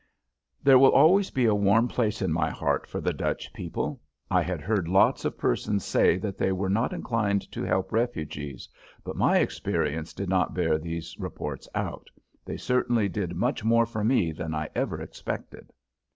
There will always be a warm place in my heart for the Dutch people. I had heard lots of persons say that they were not inclined to help refugees, but my experience did not bear these reports out. They certainly did much more for me than I ever expected.